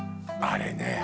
あれね。